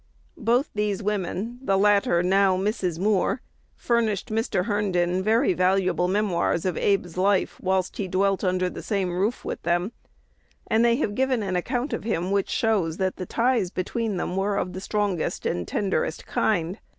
Both these women (the latter now Mrs. Moore) furnished Mr. Herndon very valuable memoirs of Abe's life whilst he dwelt under the same roof with them; and they have given an account of him which shows that the ties between them were of the strongest and tenderest kind.